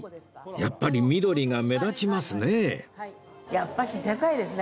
やっぱり緑が目立ちますね